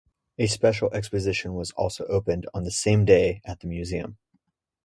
A special exposition was also opened on the same day at the museum.